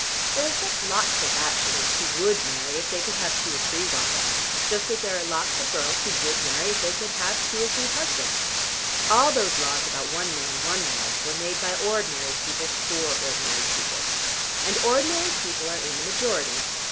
There are such lots of bachelors who would marry if they could have two or three wives, just as there are such lots of girls who would marry if they could have two or three husbands. All those laws about 'one man, one wife' were made by ordinary people for ordinary people. And ordinary people are in the majority.